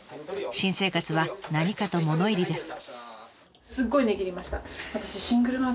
新生活は何かと物入りです。